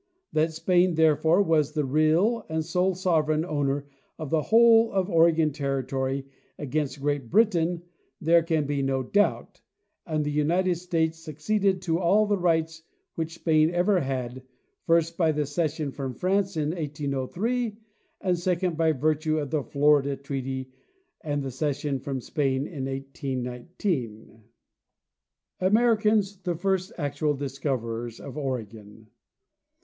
That Spain, there fore, was the real and sole sovereign owner of the whole of Ore gon territory as against Great Britain there can be no doubt, and the United States succeeded to all the rights which Spain ever had—first, by the cession from France in 1803 and, second, by virtue of the Florida treaty and cession from Spain in 1819. Americans the first actual Discoverers of Oregon.